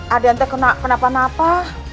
ada yang terkena kenapa napa